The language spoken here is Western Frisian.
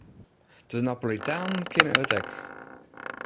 De Napolitanen kinne it ek.